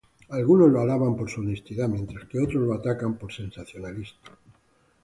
Algunos lo alaban por su honestidad, mientras que otros lo atacan por sensacionalista.